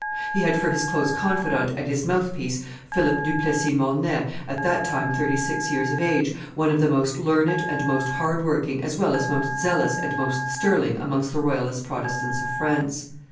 He had for his close confidant and his mouth piece Philip du Plessis Mornay, at that time thirty six years of age, one of the most learned and most hard working as well as most zealous and most sterling amongst the royalist Protestants of France.